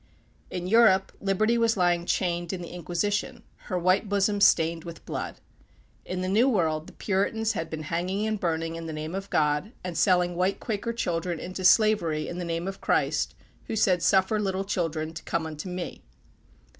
In Europe, Liberty was lying chained in the Inquisition her white bosom stained with blood. In the new world the Puritans had been hanging and burning in the name of God, and selling white Quaker children into slavery in the name of Christ, who said, "Suffer little children to come unto me."